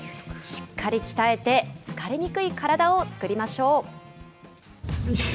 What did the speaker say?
しっかり鍛えて疲れにくい体を作りましょう。